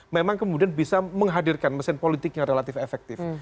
memang kemudian bisa menghadirkan mesin politik yang relatif efektif